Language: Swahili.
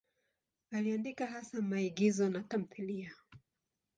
Aliandika hasa maigizo na tamthiliya.